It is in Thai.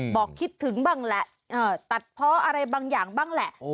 บอกคิดถึงบ้างแหละตัดเพาะอะไรบางอย่างบ้างแหละ